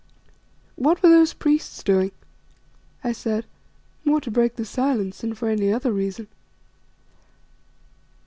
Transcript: "What were those priests doing?" I said, more to break the silence than for any other reason.